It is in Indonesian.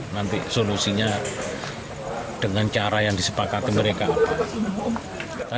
nanti solusinya dengan cara yang disepakati mereka apa